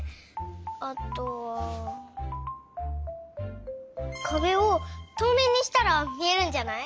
あとはかべをとうめいにしたらみえるんじゃない？